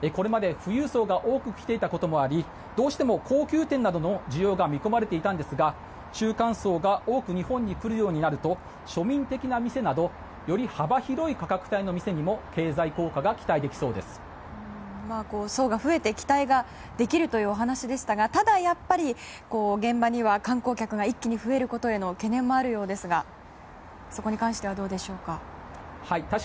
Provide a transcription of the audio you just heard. これまで、富裕層が多く来ていたこともありどうしても高級店などの需要が見込まれていたんですが中間層が多く日本に来るようになると庶民的な店などより幅広い価格帯の店にも経済効果が層が増えて期待ができるというお話でしたがただ、やっぱり現場には観光客が一気に増えることへの懸念もあるようですがそこに関してはどうでしょうか。